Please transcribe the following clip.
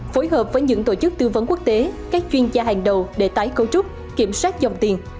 phối hợp với những tổ chức tư vấn quốc tế các chuyên gia hàng đầu để tái cấu trúc kiểm soát dòng tiền